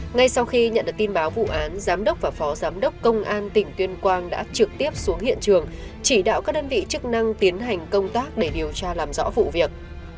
ngay sau khi nhận được tin báo vụ án giám đốc và phó giám đốc công an tỉnh tuyên quang đã trực tiếp xuống hiện trường chỉ đạo các đơn vị chức năng tiến hành công tác để điều tra làm rõ vụ việc